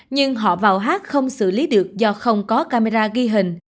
nhưng họ vào hát không xử lý được do không có camera ghi hình